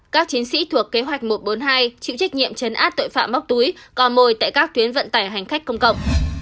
các chiến sĩ thuộc kế hoạch một trăm bốn mươi hai chịu trách nhiệm chấn áp tội phạm móc túi co mồi tại các tuyến vận tải hành khách công cộng